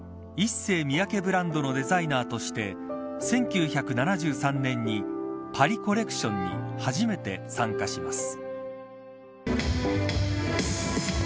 ＩＳＳＥＹＭＩＹＡＫＥブランドのデザイナーとして１９７３年にパリ・コレクションに初めて参加します。